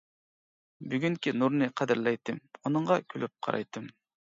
بۈگۈنكى نۇرنى قەدىرلەيتتىم، ئۇنىڭغا كۈلۈپ قارايتتىم.